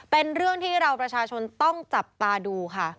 เป็นเรื่องที่เราประชาชนต้องจับตาดูค่ะ